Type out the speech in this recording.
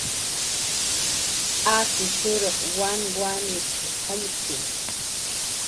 "Akishuruq wanwanit"" jallki"